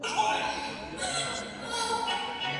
آيا خاوند او ميرمن بايد خوشحاله ژوند وکړي؟